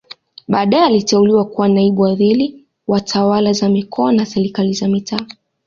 Baadae aliteuliwa kuwa naibu waziri wa tawala za mikoa na serikali za mitaa